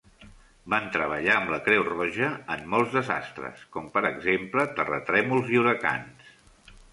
Van treballar amb la Creu Roja en molts desastres, com per exemple terratrèmols i huracans.